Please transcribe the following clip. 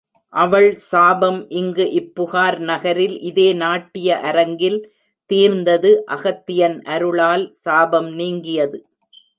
அவள் சாபம் இங்கு இப்புகார் நகரில் இதே நாட்டிய அரங்கில் தீர்ந்தது அகத்தியன் அருளால் சாபம் நீங்கியது.